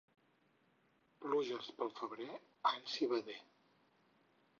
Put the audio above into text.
Pluges pel febrer, any civader.